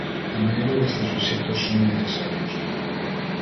A maioría destes obxectos son innecesarios.